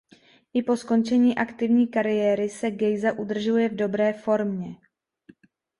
I po skončení aktivní kariéry se Gejza udržuje v dobré formě.